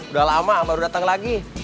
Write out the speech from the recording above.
udah lama baru datang lagi